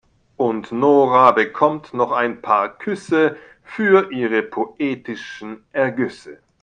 Und Nora bekommt noch ein paar Küsse für ihre poetischen Ergüsse.